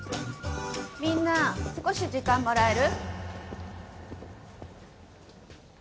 みんな少し時間もらえる？